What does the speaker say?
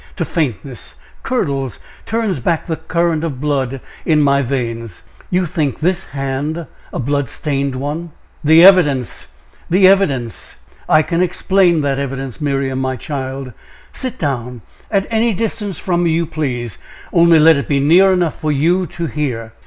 to faintness! curdles turns back the current of blood in my veins!" "You think this hand a blood stained one?" "The evidence! the evidence!" "I can explain that evidence. Miriam, my child, sit down at any distance from me you please only let it be near enough for you to hear.